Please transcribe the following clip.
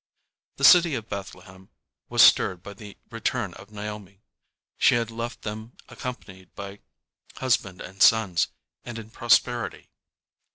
The city of Bethlehem was stirred by the return of Naomi. She had left them accompanied by husband and sons, and in prosperity.